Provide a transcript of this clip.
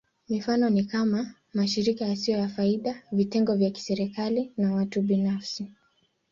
Mifano ni kama: mashirika yasiyo ya faida, vitengo vya kiserikali, na watu binafsi.